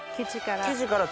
生地から。